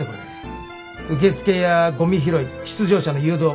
受付やゴミ拾い出場者の誘導